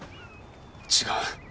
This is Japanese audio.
違う。